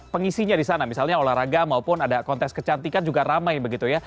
pengisinya di sana misalnya olahraga maupun ada kontes kecantikan juga ramai begitu ya